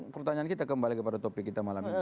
pertanyaan kita kembali kepada topik kita malam ini